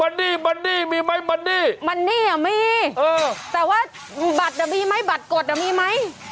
ว่านี่มันนี่มีไหมมันนี่ตะวัดอะมีไหมบัตรกดอะมีไหม